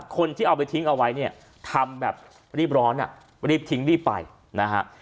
คนที่เอาไปทิ้งเอาไว้เนี่ยทำแบบรีบร้อนอ่ะรีบทิ้งรีบไปนะฮะ